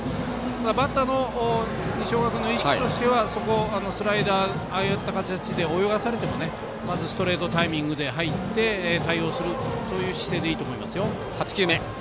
バッターの西岡君の意識としてはそこ、スライダーああいった形で泳がされてもまずストレートタイミングで入って対応する姿勢でいいと思います。